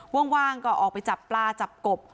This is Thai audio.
ว่างก็ออกไปจับปลาจับกบ